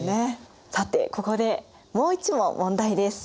さてここでもう一問問題です。